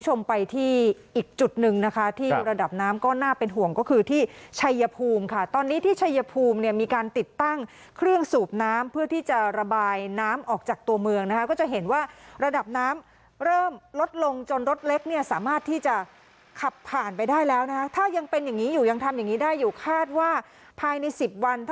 ชมไปที่อีกจุดหนึ่งนะคะที่ระดับน้ำก็น่าเป็นห่วงก็คือที่ชัยภูมิค่ะตอนนี้ที่ชัยภูมิเนี่ยมีการติดตั้งเครื่องสูบน้ำเพื่อที่จะระบายน้ำออกจากตัวเมืองนะคะก็จะเห็นว่าระดับน้ำเริ่มลดลงจนรถเล็กเนี่ยสามารถที่จะขับผ่านไปได้แล้วนะคะถ้ายังเป็นอย่างนี้อยู่ยังทำอย่างนี้ได้อยู่คาดว่าภายในสิบวันท